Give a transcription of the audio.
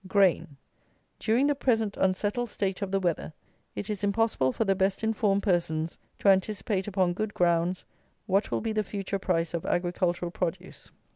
"GRAIN. During the present unsettled state of the weather, it is impossible for the best informed persons to anticipate upon good grounds what will be the future price of agricultural produce.